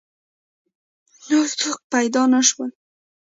نور څوک پیدا نه شول.